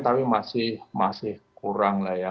tapi masih kurang lah ya